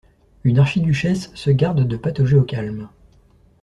Une archiduchesse se garde de patauger au calme.